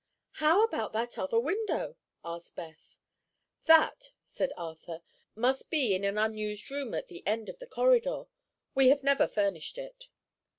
"How about the other window?" asked Beth. "That," said Arthur, "must be in an unused room at the end of the corridor. We have never furnished it."